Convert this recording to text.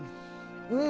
うん！